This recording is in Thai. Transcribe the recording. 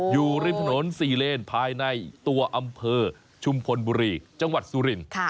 อยู่ริมถนน๔เลนภายในตัวอำเภอชุมพลบุรีจังหวัดสุรินทร์